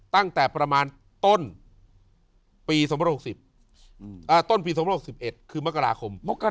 ตั้งแต่ประมาณต้นปี๒๑๖๑คือมกราคม